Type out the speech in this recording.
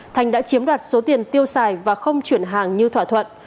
thành đã chiếm đoạt số tiền tiêu xài và không chuyển hàng như thỏa thuận